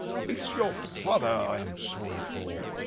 It's your father I am sorry for."